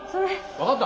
分かった！